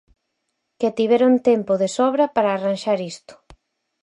Que tiveron tempo de sobra para arranxar isto.